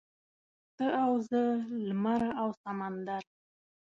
ته او زه لمر او سمندر.